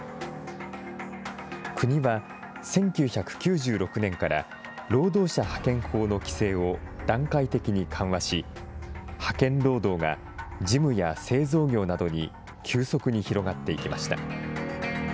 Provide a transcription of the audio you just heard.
国は１９９６年から労働者派遣法の規制を段階的に緩和し、派遣労働が事務や製造業などに急速に広がっていきました。